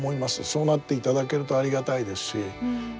そうなっていただけるとありがたいですし